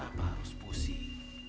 kenapa harus pusing